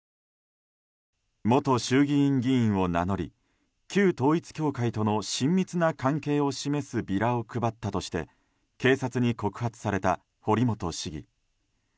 元衆議院議員を名乗り旧統一教会との親密な関係を示すビラを配ったとして警察に告発された堀本市議。